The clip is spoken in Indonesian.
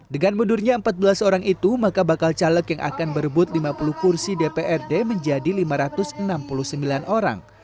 dengan mundurnya empat belas orang itu maka bakal caleg yang akan berebut lima puluh kursi dprd menjadi lima ratus enam puluh sembilan orang